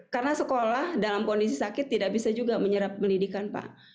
karena sekolah dalam kondisi sakit tidak bisa juga menyerap pendidikan pak